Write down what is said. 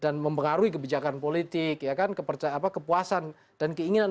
dan mempengaruhi kebijakan politik ya kan kepuasan dan keinginan